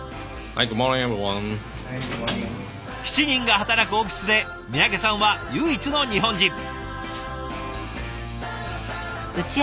７人が働くオフィスで三宅さんは唯一の日本人。